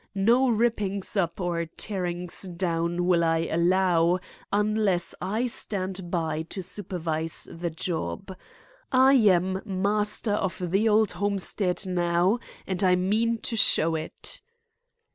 No rippings up or tearings down will I allow unless I stand by to supervise the job. I am master of the old homestead now and I mean to show it."